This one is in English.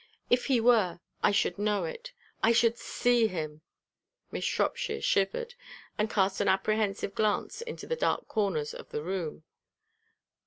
"If he were, I should know it. I should see him." Miss Shropshire shivered, and cast an apprehensive glance into the dark corners of the room.